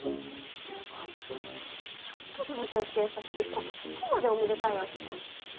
あっちょっと同情して優しくしたらどこまでおめでたいわけ？